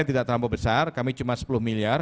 pendaftaran tidak terlalu besar kami cuma sepuluh miliar